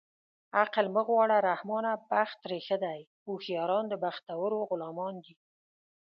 عقل مه غواړه رحمانه بخت ترې ښه دی هوښیاران د بختورو غلامان دي